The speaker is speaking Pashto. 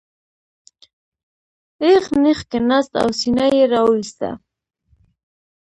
یغ نېغ کېناست او سینه یې را وویسته.